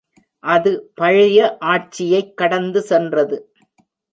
அது பழைய ஆட்சியைக் கடந்து சென்றது.